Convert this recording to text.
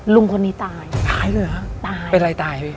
ลุงคนนี้ตายตายเป็นอะไรตาย